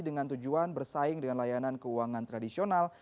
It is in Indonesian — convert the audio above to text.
dengan tujuan bersaing dengan layanan keuangan tradisional